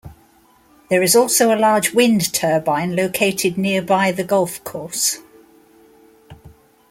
There is also a large wind turbine located nearby the golf course.